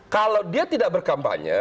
kalau dia tidak berkampanye